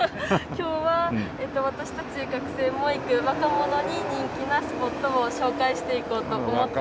今日は私たち学生も行く若者に人気なスポットを紹介していこうと思っています。